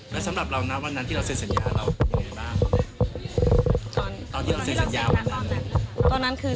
แล้วสำหรับเรานับวันนั้นที่เราเสร็จสัญญาเราตอนที่เราเสร็จสัญญาวันนั้นตอนนั้นคือ